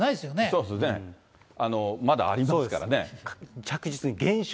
そうですよね、まだありますからね。